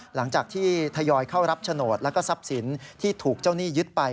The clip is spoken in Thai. หลังจากที่ทยอยเข้ารับฉโนตและซับสินที่ถูกเจ้านี่ยึดไป